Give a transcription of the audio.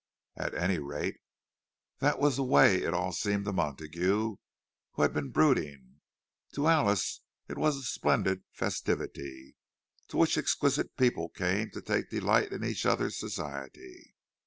At any rate, that was the way it all seemed to Montague, who had been brooding. To Alice it was a splendid festivity, to which exquisite people came to take delight in each other's society.